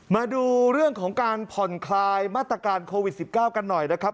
มาดูเรื่องของการผ่อนคลายมาตรการโควิด๑๙กันหน่อยนะครับ